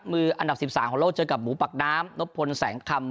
มืออันดับ๑๓ของโลกเจอกับหมูปากน้ำนบพลแสงคำ